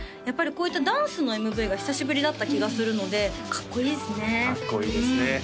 やっぱりこういったダンスのＭＶが久しぶりだった気がするのでかっこいいですね